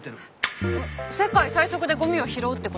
世界最速でゴミを拾うって事？